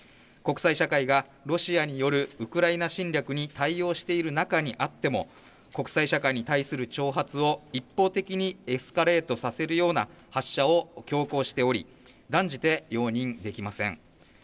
国際社会がロシアによるウクライナ侵略に対応している中にあっても、国際社会に対する挑発を一方的にエスカレートさせるような発射を強行しており、断じて容認できません。